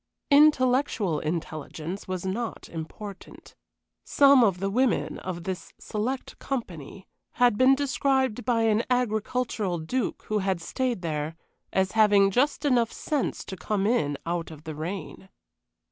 Intellectual intelligence was not important. Some of the women of this select company had been described by an agricultural duke who had stayed there as having just enough sense to come in out of the rain.